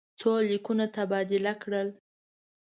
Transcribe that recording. څو لیکونه تبادله کړل.